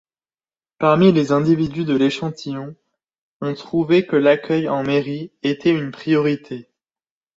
Parmi les individus de l'échantillon, ont trouvé que l'accueil en mairie était une priorité.